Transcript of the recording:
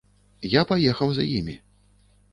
Я паехаў за імі.